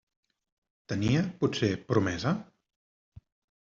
Tenia, potser, promesa?